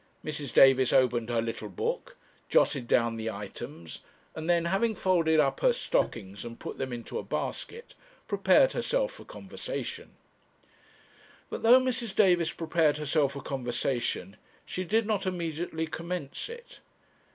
Mrs. Davis opened her little book, jotted down the items, and then, having folded up her stockings, and put them into a basket, prepared herself for conversation. But, though Mrs. Davis prepared herself for conversation, she did not immediately commence it.